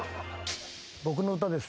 僕の歌です。